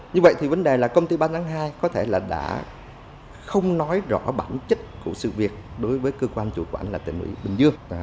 như vậy thì vấn đề là công ty ba tháng hai có thể là đã không nói rõ bản chất của sự việc đối với cơ quan chủ quản là tỉnh ủy bình dương